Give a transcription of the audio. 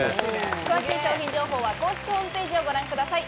詳しい商品情報は公式ホームページをご覧ください。